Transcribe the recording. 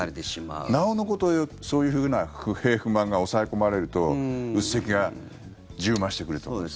なおのこと、そういう不平不満が抑え込まれるとうっ積が充満してくるということですね。